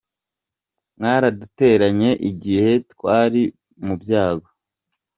Mwaradutereranye ighe twari mubyago.